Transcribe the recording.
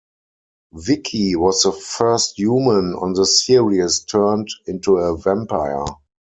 Vicki was the first human on the series turned into a vampire.